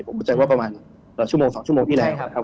ผมเข้าใจว่าประมาณชั่วโมง๒ชั่วโมงที่แล้วนะครับ